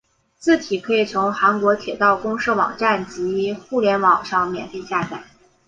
字体可以从韩国铁道公社网站及互联网上免费下载。